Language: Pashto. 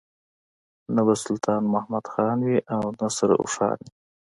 نه به سلطان محمد خان وي او نه سره اوښان وي.